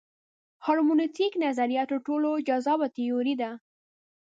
هرمنوتیک نظریه تر ټولو جذابه تیوري ده.